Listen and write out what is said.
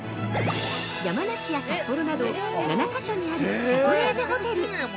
◆山梨や札幌など７か所にあるシャトレーゼホテル。